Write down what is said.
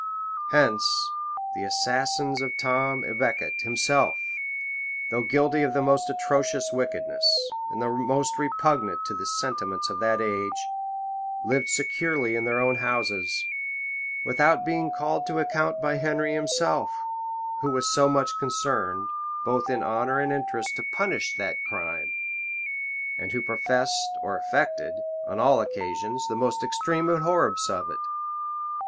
[*] Hence the assassins of Thomas à Becket himself, though guilty of the most atrocious wickedness, and the most repugnant to the sentiments of that age, lived securely in their own houses, without being called to account by Henry himself, who was so much concerned, both in honor and interest, to punish that crime, and who professed or affected, on all occasions, the most extreme abhorrence of it.